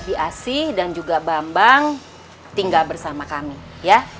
biasi dan juga bambang tinggal bersama kami ya